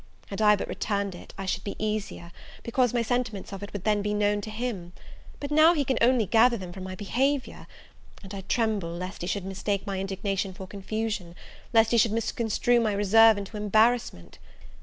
Had I but returned it, I should be easier, because my sentiments of it would then be known to him; but now, he can only gather them from my behaviour; and I tremble lest he should mistake my indignation for confusion! lest he should misconstrue my reserve into embarrassment!